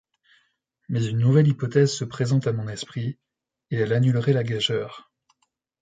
Mais une nouvelle hypothèse se présente à mon esprit, et elle annulerait la gageure.